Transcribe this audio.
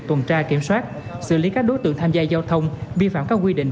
tuần tra kiểm soát xử lý các đối tượng tham gia giao thông vi phạm các quy định